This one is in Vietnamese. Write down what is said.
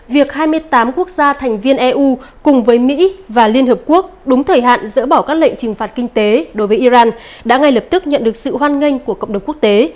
việc hai mươi tám quốc gia thành viên eu cùng với mỹ và liên hợp quốc đúng thời hạn dỡ bỏ các lệnh trừng phạt kinh tế đối với iran đã ngay lập tức nhận được sự hoan nghênh của cộng đồng quốc tế